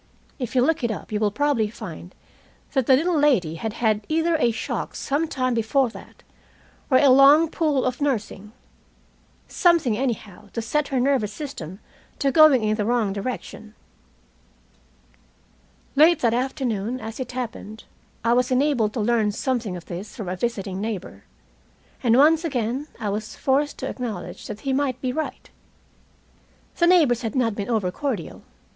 "If you'll look it up you will probably find that the little lady had had either a shock sometime before that, or a long pull of nursing. Something, anyhow, to set her nervous system to going in the wrong direction." Late that afternoon, as it happened, I was enabled to learn something of this from a visiting neighbor, and once again I was forced to acknowledge that he might be right. The neighbors had not been over cordial.